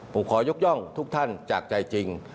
ผมขอยกย่องทุกท่านจากใจจริง